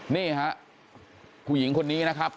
นี่ฮะผู้หญิงคนนี้นะครับ